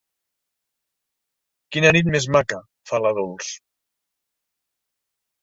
Quina nit més maca, fa la Dols.